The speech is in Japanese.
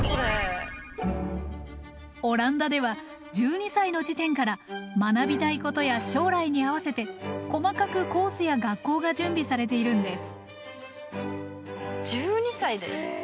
オランダでは１２歳の時点から学びたいことや将来に合わせて細かくコースや学校が準備されているんです。